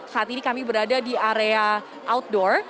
saat ini kami berada di area outdoor